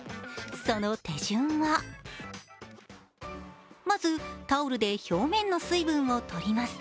その手順はまず、タオルで表面の水分を取ります。